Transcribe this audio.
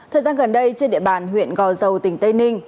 thời gian gần đây trên địa bàn huyện gò dầu tỉnh tây ninh